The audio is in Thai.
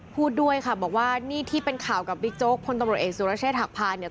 พูดด้วยค่ะบอกว่านี่ที่เป็นข่าวกับบิ๊กโจ๊กพลตำรวจเอกสุรเชษฐหักพานเนี่ย